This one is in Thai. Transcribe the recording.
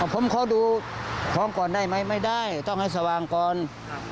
ผมขอดูพร้อมก่อนได้ไหมไม่ได้ต้องให้สว่างก่อน